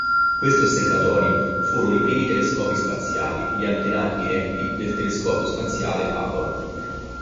Questi osservatori furono i primi telescopi spaziali, gli antenati diretti del telescopio spaziale Hubble.